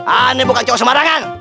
ane bukan cowok sembarangan